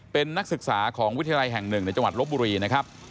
เป็นนักศึกษาของวิทยาลัยแห่งหนึ่งในจังหวัดลบบุรีนะครับ